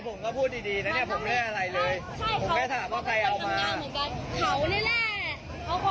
เอาเรือนนี้ไหมนะแหละแหละเป็นรถในข้อก